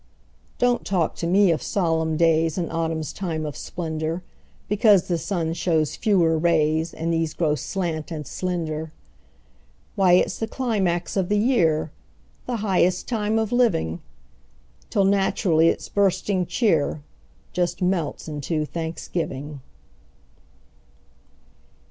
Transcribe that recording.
Don't talk to me of solemn days In autumn's time of splendor, Because the sun shows fewer rays, And these grow slant and slender. Why, it's the climax of the year, The highest time of living! Till naturally its bursting cheer Just melts into thanksgiving.